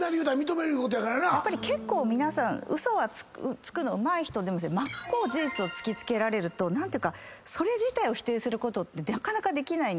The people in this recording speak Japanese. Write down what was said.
結構皆さんウソはつくのうまい人でも真っ向事実を突き付けられるとそれ自体を否定することってなかなかできないんですよ。